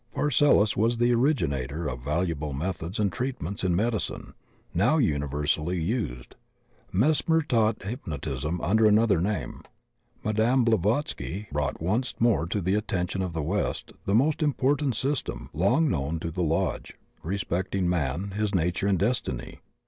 Paracelsus was the originator of valuable methods and treatments in medicine now universally used. Mesmer taught hypnotism under another name. Madame Blavatsky brou^t once more to the attention of the West the most important system, long known to the Lxxlge, respecting man, his nature and destiny.